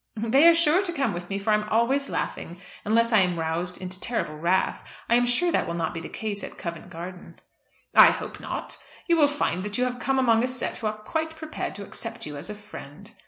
"They are sure to come with me, for I am always laughing, unless I am roused to terrible wrath. I am sure that will not be the case at Covent Garden." "I hope not. You will find that you have come among a set who are quite prepared to accept you as a friend."